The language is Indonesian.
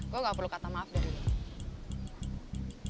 gue nggak perlu kata maaf dari lu